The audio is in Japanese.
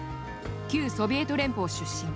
旧ソビエト連邦出身。